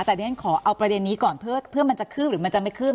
แต่ดิฉันขอเอาประเด็นนี้ก่อนเพื่อมันจะขึ้นหรือมันจะไม่ขึ้น